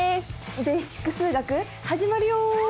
「ベーシック数学」始まるよ。